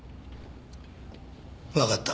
わかった。